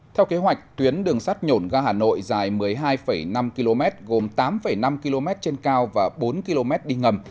theo kế hoạch tuyến đường sắt nhổn ga hà nội dài một mươi hai năm km gồm tám năm km trên cao và bốn km đi ngầm